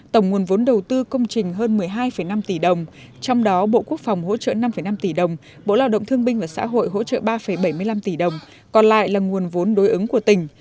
tổng nguồn vốn đầu tư công trình hơn một mươi hai năm tỷ đồng trong đó bộ quốc phòng hỗ trợ năm năm tỷ đồng bộ lao động thương binh và xã hội hỗ trợ ba bảy mươi năm tỷ đồng còn lại là nguồn vốn đối ứng của tỉnh